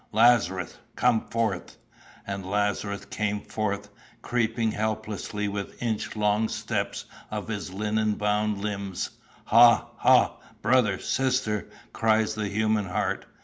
"'Lazarus, come forth!" "And Lazarus came forth, creeping helplessly with inch long steps of his linen bound limbs. 'Ha, ha! brother, sister!' cries the human heart.